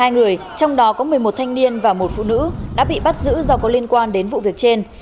một mươi người trong đó có một mươi một thanh niên và một phụ nữ đã bị bắt giữ do có liên quan đến vụ việc trên